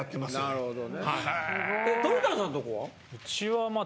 なるほど。